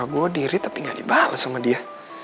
wa gue diri tapi gak dibalas sama dia